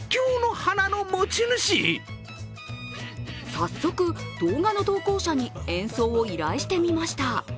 早速、動画の投稿者に演奏を依頼してみました。